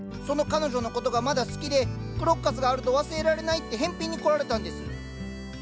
その彼女の事がまだ好きで「クロッカスがあると忘れられない」って返品に来られたんです。